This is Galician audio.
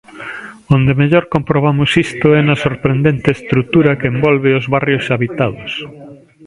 Onde mellor comprobamos isto é na sorprendente estrutura que envolve os barrios habitados.